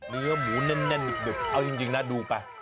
เนื้อหมูแน่นหนึบเอาจริงนะดูไป